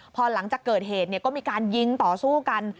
พอหลังจากเกิดเหตุก็มีการยิงต่อสู้กัน